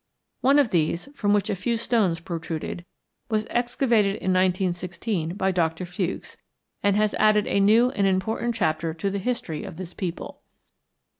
One of these, from which a few stones protruded, was excavated in 1916 by Doctor Fewkes, and has added a new and important chapter to the history of this people.